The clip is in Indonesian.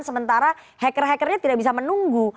sementara hacker hackernya tidak bisa menunggu